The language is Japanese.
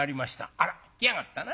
「あら来やがったな。